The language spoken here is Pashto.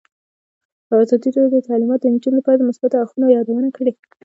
ازادي راډیو د تعلیمات د نجونو لپاره د مثبتو اړخونو یادونه کړې.